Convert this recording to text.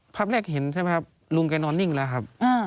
ภาพแรกเห็นใช่ไหมครับลุงแกนอนนิ่งแล้วครับ